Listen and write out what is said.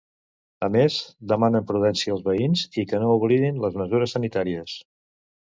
A més, demanen prudència als veïns i que no oblidin les mesures sanitàries.